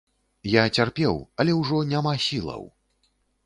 Я цярпеў, але ужо няма сілаў.